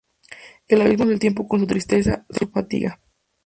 El abismo es el Tiempo con su tristeza, su fatiga.